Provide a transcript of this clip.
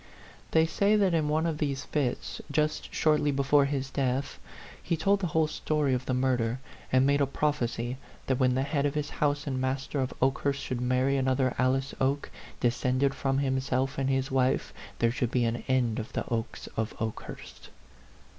They say that in one of these fits, just shortly be fore his death, he told the whole story of the murder, and made a prophecy that when the head of his house and master of Oke hurst should marry another Alice Oke, de scended from himself and his wife, there should be an end of the Okes of Okehurst.